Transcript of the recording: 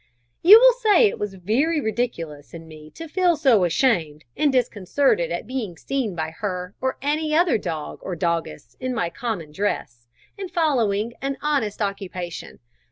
[Illustration: A CANINE BUTCHER] You will say that it was very ridiculous in me to feel so ashamed and disconcerted at being seen by her or any other dog or doggess in my common dress, and following an honest occupation.